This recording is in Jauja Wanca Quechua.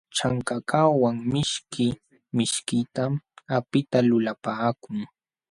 Chankakawan mishki mishkitam apita lulapaakun.